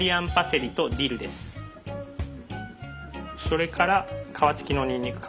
それから皮つきのにんにく。